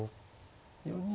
４二